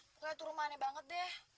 pokoknya itu rumah aneh banget deh